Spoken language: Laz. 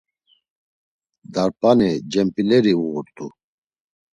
Darp̌ani cemp̌ileri uğurt̆u.